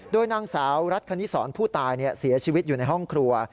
โดยนางสาวรัฐคณิสรผู้ตายเสียชีวิตอยู่ในห้องครัว